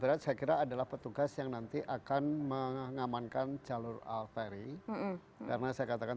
berat saya kira adalah petugas yang nanti akan mengamankan jalur alferi karena saya katakan